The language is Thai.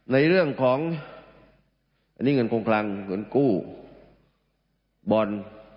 ในเรื่องของเงินคงคลังเงินกู้บ่อน